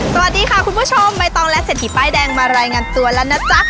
สวัสดีค่ะคุณผู้ชมใบตองและเศรษฐีป้ายแดงมารายงานตัวแล้วนะจ๊ะ